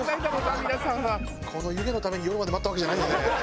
この湯気のために夜まで待ったわけじゃないよね？